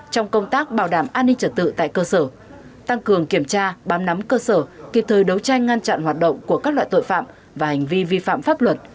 trong công tác bảo đảm an ninh trật tự tại cơ sở tăng cường kiểm tra bám nắm cơ sở kịp thời đấu tranh ngăn chặn hoạt động của các loại tội phạm và hành vi vi phạm pháp luật